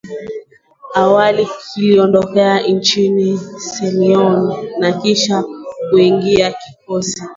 awali kiliondoka nchini Sierra Leon na kisha kuingizwa kikosi